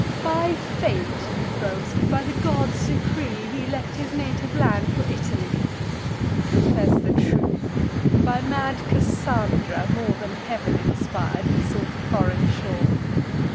By fate, you boast, and by the gods' decree, He left his native land for Italy! Confess the truth; by mad Cassandra, more Than Heav'n inspir'd, he sought a foreign shore!